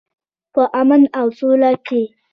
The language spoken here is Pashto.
په امن او سوله کې.